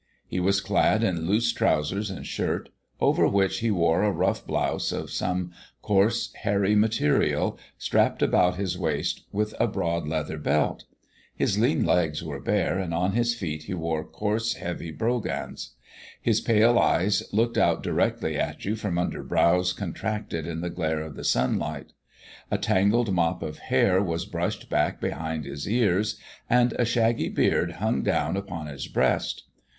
He was clad in loose trousers and shirt, over which he wore a rough blouse of some coarse, hairy material, strapped about his waist with a broad leather belt. His lean legs were bare, and on his feet he wore coarse, heavy brogans. His pale eyes looked out directly at you from under brows contracted in the glare of the sunlight. A tangled mop of hair was brushed back behind his ears, and a shaggy beard hung down upon his breast.